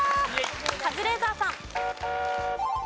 カズレーザーさん。